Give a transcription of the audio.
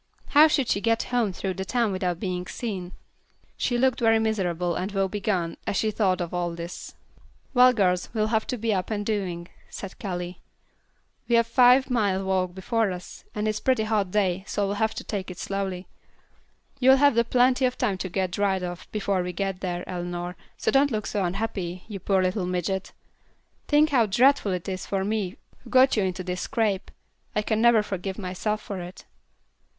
How should she get home through the town without being seen? She looked very miserable and woe begone as she thought of all this. "Well, girls, we'll have to be up and doing," said Callie. "We've a five mile walk before us, and it's a pretty hot day, so we'll have to take it slowly. You'll have plenty of time to get dried off, before we get there, Eleanor, so don't look so unhappy, you poor little midget. Think how dreadful it is for me who got you into this scrape. I can never forgive myself for it."